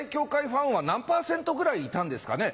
ファンは何％ぐらいいたんですかね？